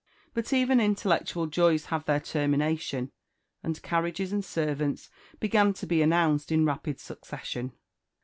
But even intellectual joys have their termination, and carriages and servants began to be announced in rapid succession.